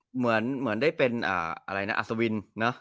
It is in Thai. เหมือนได้เป็นอัศวิน